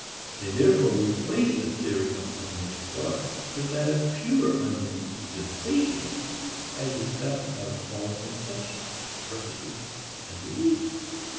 They therefore replace the theory of unmixed thoughts with that of pure unmixed sensations as the stuff of all conceptions, purposes and beliefs.